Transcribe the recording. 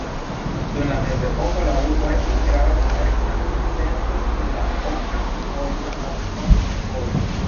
Dum la mezepoko la urbo estis grava komerca centro sur la Okaa-Volga akva vojo.